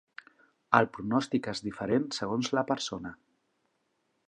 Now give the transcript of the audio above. El pronòstic és diferent segons la persona.